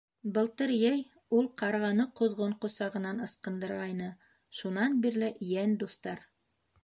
Былтыр йәй ул ҡарғаны ҡоҙғон ҡосағынан ысҡындырғайны, шунан бирле йән дуҫтар.